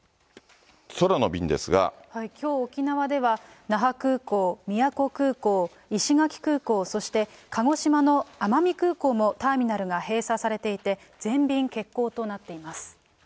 きょう、沖縄では那覇空港、宮古空港、石垣空港、そして鹿児島の奄美空港もターミナルが閉鎖されていて、全便欠航となっています。